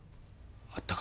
あったか？